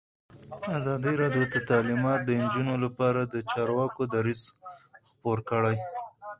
ازادي راډیو د تعلیمات د نجونو لپاره لپاره د چارواکو دریځ خپور کړی.